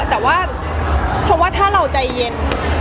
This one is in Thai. แต่ว่าคำว่าถ้าเราใจเย็น